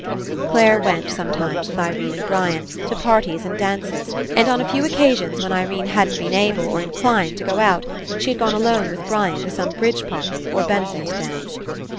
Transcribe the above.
Clare went, sometimes with Irene and Brian, to parties and dances, and on a few occasions when Irene hadn't been able or in clined to go out, she had gone alone with Brian to some bridge party or benefit dance.